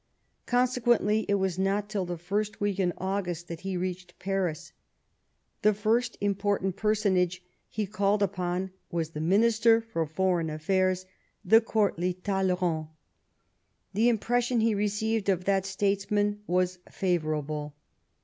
Consequently it was not till the first week in August that he reached Paris. The first im portant personage he called upon was the Minister for Foreign Affairs, the courtly Talleyrand. The impression he received of that statesman was favourable.